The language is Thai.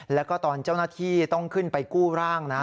แล้วก็ตอนเจ้าหน้าที่ต้องขึ้นไปกู้ร่างนะ